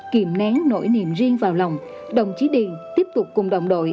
kìm nén nỗi niềm riêng vào lòng đồng chí điền tiếp tục cùng đồng đội